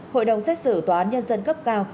hội đồng xét xử tòa án nhân dân cấp cao